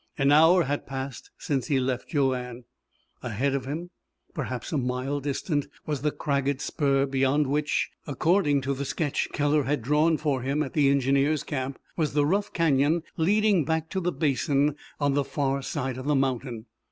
An hour had passed since he left Joanne. Ahead of him, perhaps a mile distant, was the cragged spur beyond which according to the sketch Keller had drawn for him at the engineers' camp was the rough canyon leading back to the basin on the far side of the mountain.